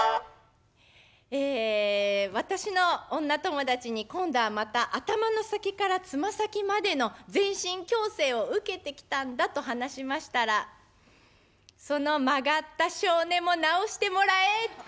え私の女友達に今度はまた頭の先から爪先までの全身矯正を受けてきたんだと話しましたら「その曲がった性根も直してもらえ！」。